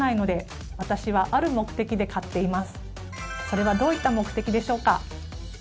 それはどういった目的でしょうか？